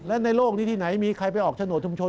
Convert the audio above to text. และในโลกนี้ที่ไหนมีใครไปออกโฉนดชุมชน